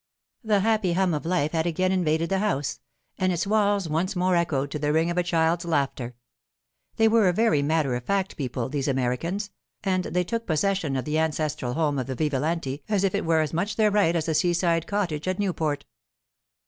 The happy hum of life had again invaded the house, and its walls once more echoed to the ring of a child's laughter. They were very matter of fact people—these Americans, and they took possession of the ancestral home of the Vivalanti as if it were as much their right as a seaside cottage at Newport.